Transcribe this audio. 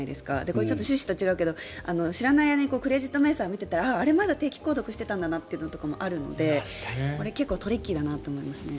これは趣旨と違うけど知らない間にクレジット明細を見ていたらあれ、まだ定期購読していたんだってあるので結構トリッキーだなと思います。